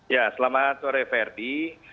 ya selamat sore ferdi